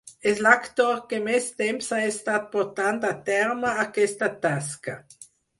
És l'actor que més temps ha estat portant a terme aquesta tasca.